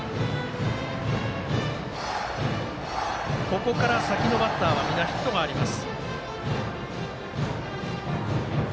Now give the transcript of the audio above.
ここから先のバッターは皆、ヒットがあります。